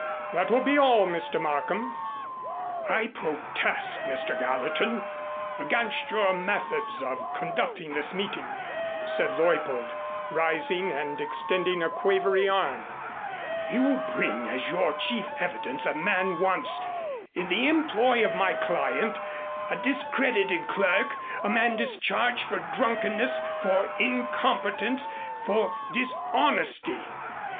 "That will be all, Mr. Markham." "I protest, Mr. Gallatin, against your methods of conducting this meeting," said Leuppold, rising and extending a quavery arm. "You bring as your chief evidence a man once in the employ of my client, a discredited clerk, a man discharged for drunkenness, for incompetence, for dishonesty."